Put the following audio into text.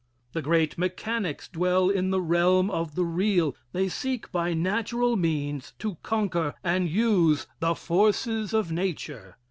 The great mechanics dwell in the realm of the real. They seek by natural means to conquer and use the forces of nature.